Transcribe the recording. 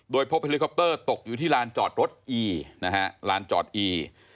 โดยพบเฮลิคอปเตอร์ตกอยู่ที่ลานจอดรถอีนะฮะลานจอดอี